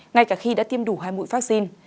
ngay cả khi đã tiêm đủ hai mũi vaccine